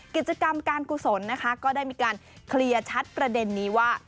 กิจกรรมการกุศลนะคะก็ได้มีการเคลียร์ชัดประเด็นนี้ว่า